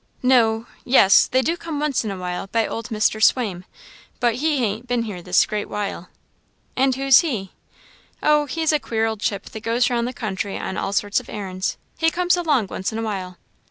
"No; yes they do come once in a while by old Mr. Swaim, but he han't been here this great while." "And who's he?" said Ellen. "Oh, he's a queer old chip that goes round the country on all sorts of errands; he comes along once in a while.